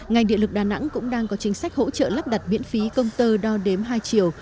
ngành điện lực đà nẵng cũng đang có chính sách hỗ trợ lắp đặt miễn phí công tơ đo đếm hai chiều